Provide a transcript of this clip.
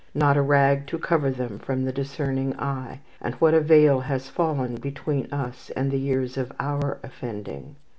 Not a rag to cover them from the discerning eye. And what a veil has fallen between us and the years of our offending.